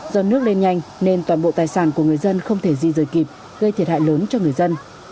do nước lên nhanh nên toàn bộ tài sản của người dân không thể di rời kịp gây thiệt hại lớn cho người dân